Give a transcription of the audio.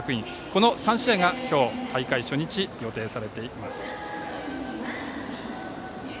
この３試合が今日大会初日に予定されています。